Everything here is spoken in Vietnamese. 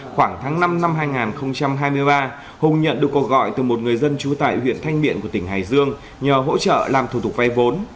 khoảng tháng năm năm hai nghìn hai mươi ba hùng nhận được cầu gọi từ một người dân trú tại huyện thanh miện của tỉnh hải dương nhờ hỗ trợ làm thủ tục vay vốn